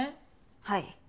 はい。